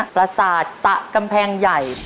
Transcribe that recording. ประสาทสะกำแพงใหญ่